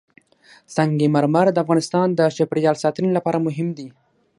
سنگ مرمر د افغانستان د چاپیریال ساتنې لپاره مهم دي.